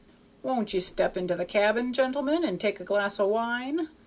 "'Won't ye step into the cabin, gentlemen, and take a glass o' wine?'